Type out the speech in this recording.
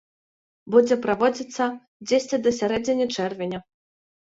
Будзе праводзіцца дзесьці да сярэдзіны чэрвеня.